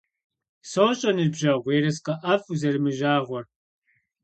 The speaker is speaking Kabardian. СощӀэ, ныбжьэгъу, ерыскъы ӀэфӀ узэримыжагъуэр.